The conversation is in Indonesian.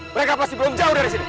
mereka pasti belum jauh dari sini